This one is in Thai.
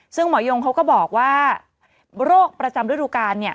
ซึ่งหมอยงเขาก็บอกว่าโรคประจำฤดูกาลเนี่ย